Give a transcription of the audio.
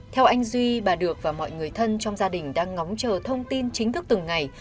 theo anh duy bà được và mọi người thân trong gia đình đang ngóng chờ thông tin chính thức từng ngày